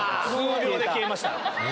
数秒で消えました。